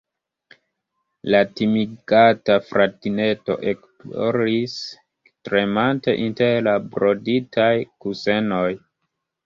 La timigata fratineto ekploris, tremante inter la broditaj kusenoj.